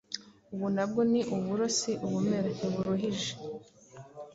Ubu na bwo ni uburo si ubumera?”ntiburuhije.